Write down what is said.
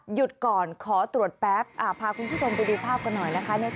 หยุดก่อนขอตรวจแป๊บพาคุณผู้ชมไปดูภาพกันหน่อยนะคะ